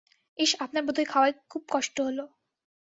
ইস, আপনার বোধহয় খাওয়ায় খুব কষ্ট হল।